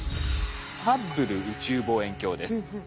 ハッブル宇宙望遠鏡です。